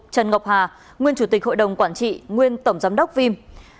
trần ngọc hà nguyên chủ tịch hội đồng quản trị nguyên tổng giám đốc vim